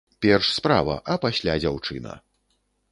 Перш справа, а пасля дзяўчына.